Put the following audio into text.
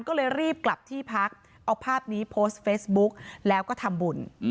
ก็เลยรีบกลับที่พักเอาภาพนี้โพสต์เฟซบุ๊กแล้วก็ทำบุญ